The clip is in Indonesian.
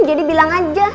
jadi bilang aja